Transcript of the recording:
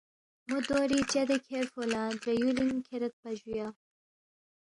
مو دوری چدے کھیرفو لہ درے یوُلِنگ کھیریدپا جُو یا